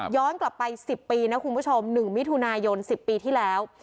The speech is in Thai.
กลับไป๑๐ปีนะคุณผู้ชม๑มิถุนายน๑๐ปีที่แล้ว